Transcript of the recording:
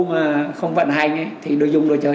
mà không vận hành thì đối dung đối chơi